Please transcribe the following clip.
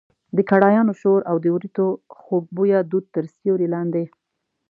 د کړایانو شور او د وریتو خوږ بویه دود تر سیوري لاندې.